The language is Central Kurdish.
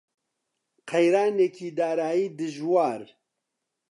قەیرانێکی دارایی دژوار